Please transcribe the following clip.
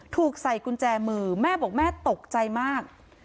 ถูกใส่กุญแจมือแม่บอกแม่ตกใจมาก